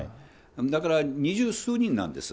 だから二十数人なんです。